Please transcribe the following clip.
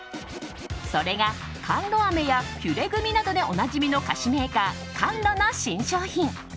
それが、カンロ飴やピュレグミなどでおなじみの菓子メーカーカンロの新商品。